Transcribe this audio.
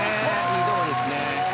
いいとこですね。